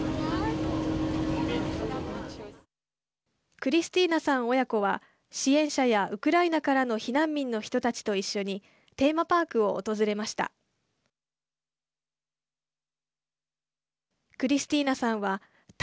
クリスティーナさん親子は支援者やウクライナからの避難民の人たちと一緒にテーマパークを訪れました。